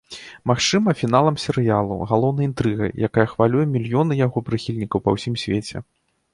Магчыма, фіналам серыялу, галоўнай інтрыгай, якая хвалюе мільёны яго прыхільнікаў па ўсім свеце.